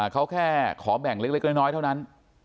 เขาแค่ขอแบ่งเล็กน้อยเท่านั้น